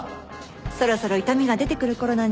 そろそろ痛みが出てくるころなんじゃない？